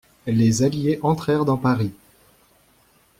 Les alliés entrèrent dans Paris.